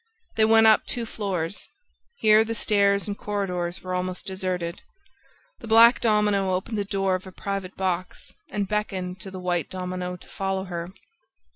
They went up two floors. Here, the stairs and corridors were almost deserted. The black domino opened the door of a private box and beckoned to the white domino to follow her.